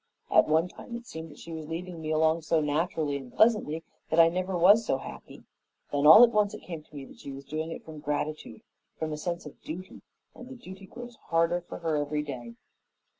At one time, it seemed that she was leading me along so naturally and pleasantly that I never was so happy; then all at once it came to me that she was doing it from gratitude and a sense of duty, and the duty grows harder for her every day.